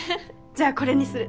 じゃあこれにする。